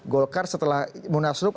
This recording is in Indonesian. golkar setelah munasrup